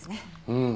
うん。